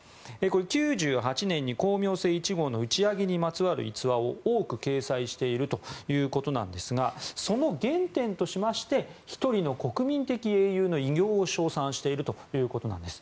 ９８年に「光明星１号」の打ち上げにまつわる逸話を多く掲載しているということなんですがその原点としまして１人の国民的英雄の偉業を称賛しているということです。